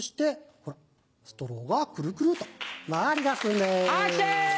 ほらストローがくるくると回りだすんです。